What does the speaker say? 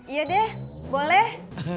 iya deh boleh